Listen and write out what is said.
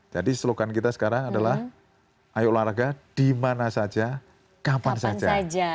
jadi slogan kita sekarang adalah ayo olahraga dimana saja kapan saja